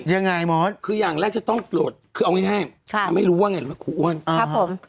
ยังไงหมอนคือยังแรกจะต้องโหลดคือเอาง่ายถ้าไม่รู้ว่าไงคุณอ้วนครับผม